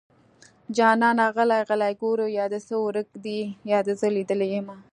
جانانه غلی غلی ګورې يا دې څه ورک دي يا دې زه ليدلې يمه